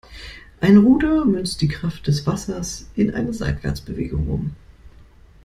Ein Ruder münzt die Kraft des Wassers in eine Seitwärtsbewegung um.